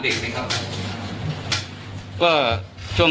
เด็กมั้ยครับ